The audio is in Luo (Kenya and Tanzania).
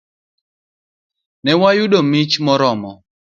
Ne wayudo mich moromo.